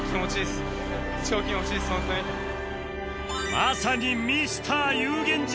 まさにミスター有言実行